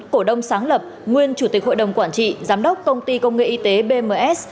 cổ đông sáng lập nguyên chủ tịch hội đồng quản trị giám đốc công ty công nghệ y tế bms